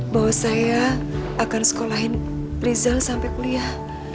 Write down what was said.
bahwa saya akan sekolahin rizal sampai kuliah